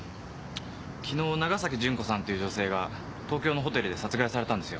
昨日長崎純子さんという女性が東京のホテルで殺害されたんですよ。